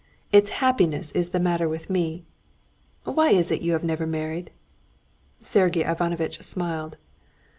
It's happiness is the matter with me! Why is it you have never married?" Sergey Ivanovitch smiled.